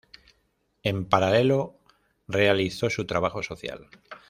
En paralelo realizó su trabajo social.